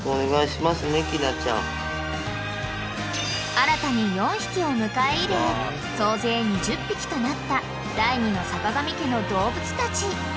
［新たに４匹を迎え入れ総勢２０匹となった第２のさかがみ家の動物たち］